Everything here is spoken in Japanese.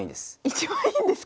一番いいんですか？